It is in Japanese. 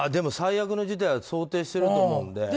最悪の事態は想定してると思うので。